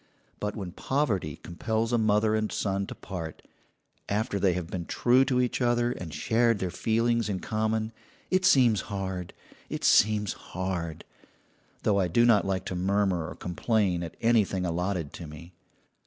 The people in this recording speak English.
But when poverty compels a mother and son to part, after they have been true to each other, and shared their feelings in common, it seems hard, it seems hard though I do not like to murmur or complain at anything allotted to me.